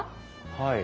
はい。